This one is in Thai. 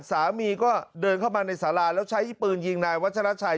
สามีก็เดินเข้ามาในสาราแล้วใช้ปืนยิงนายวัชราชัย